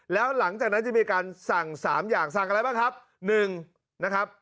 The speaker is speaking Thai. แล้วหลังจากนั้นจะมีการสั่ง๓อย่างสั่งอะไรบ้างครับ๑นะครับ